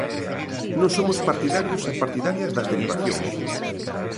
Non somos partidarios e partidarias das derivacións.